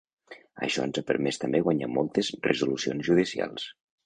Això ens ha permès també guanyar moltes resolucions judicials.